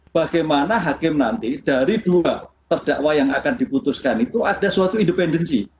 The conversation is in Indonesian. bagaimana hakim nanti dari dua terdakwa yang akan diputuskan itu ada suatu independensi